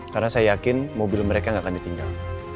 karena saya yakin mobil mereka gak akan ditinggal